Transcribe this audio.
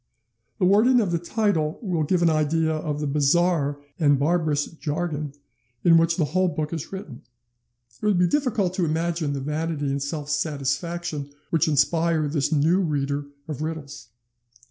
The wording of the title will give an idea of the bizarre and barbarous jargon in which the whole book is written. It would be difficult to imagine the vanity and self satisfaction which inspire this new reader of riddles.